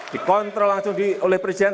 dikontrol langsung oleh presiden